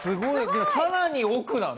でもさらに奥だね。